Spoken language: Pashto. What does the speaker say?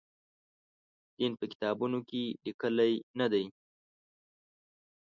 دین په کتابونو کې لیکلي نه دی.